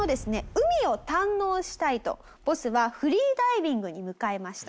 海を堪能したいとボスはフリーダイビングに向かいました。